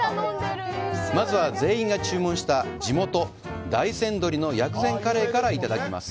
まずは、全員が注文した、地元・大山鶏の薬膳カレーからいただきます！